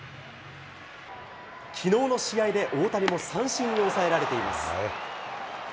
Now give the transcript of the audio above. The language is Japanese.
きのうの試合で大谷も三振に抑えられています。